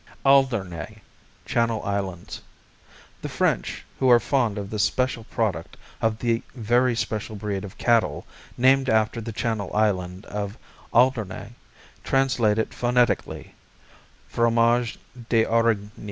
Alderney Channel Islands The French, who are fond of this special product of the very special breed of cattle named after the Channel Island of Alderney, translate it phonetically Fromage d'Aurigny.